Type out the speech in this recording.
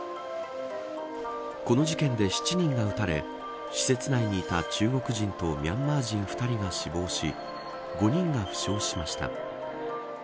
この事件で７人が撃たれ施設内にいた中国人とミャンマー人２人が死亡し５人が負傷しました。